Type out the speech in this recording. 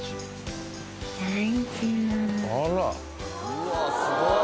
うわすごっ。